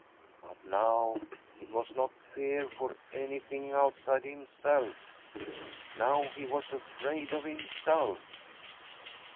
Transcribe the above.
But now it was not fear for anything outside himself — now he was afraid of himself.